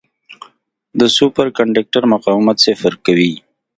د سوپر کنډکټر مقاومت صفر کوي.